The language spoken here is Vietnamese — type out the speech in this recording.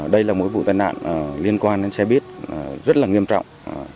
đây là một vụ tai nạn liên quan đến xe buýt rất là nghiêm trọng